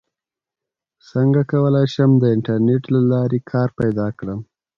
څنګه کولی شم د انټرنیټ له لارې کار پیدا کړم